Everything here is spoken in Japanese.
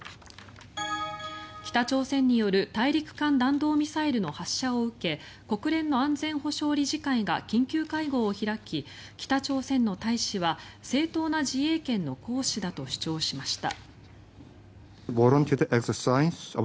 北朝鮮による大陸間弾道ミサイルの発射を受け国連の安全保障理事会が緊急会合を開き北朝鮮の大使は正当な自衛権の行使だと主張しました。